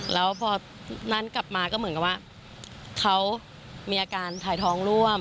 แล้วพอนั่นกลับมาก็เหมือนกับว่าเขามีอาการถ่ายท้องร่วม